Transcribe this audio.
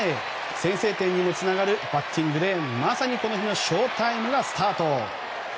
先制点にもつながるバッティングでまさに、この日の翔タイムがスタート。